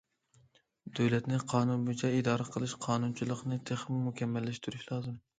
دۆلەتنى قانۇن بويىچە ئىدارە قىلىش، قانۇنچىلىقنى تېخىمۇ مۇكەممەللەشتۈرۈش لازىم.